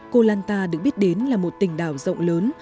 koh lanta được biết đến là một tỉnh đảo rộng lớn